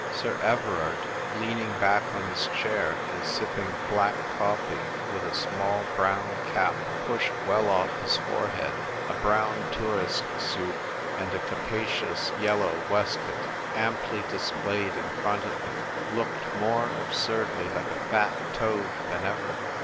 Sir Everard, leaning back on his chair and sip ping black coffee, with a small brown cap pushed well off his forehead, a brown tourist suit, and a capacious yellow waistcoat, amply displayed in front of him, looked more ab surdly like a fat toad than ever.